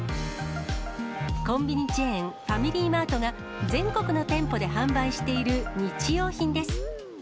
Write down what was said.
コンビニチェーン、ファミリーマートが、全国の店舗で販売している日用品です。